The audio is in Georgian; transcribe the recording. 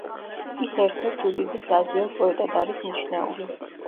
ის ერთ-ერთ უდიდეს აზიელ პოეტად არის მიჩნეული.